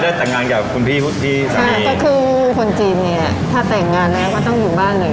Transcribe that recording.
อ๋อก็เลยได้แต่งงานกับคุณพี่พูดที่สามีค่ะก็คือคนจีนเนี้ยถ้าแต่งงานแล้วก็ต้องอยู่บ้านเลย